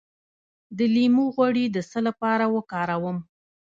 د لیمو غوړي د څه لپاره وکاروم؟